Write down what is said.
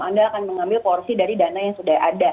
anda akan mengambil porsi dari dana yang sudah ada